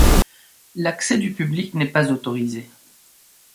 L'accès du public n'est pas autorisé.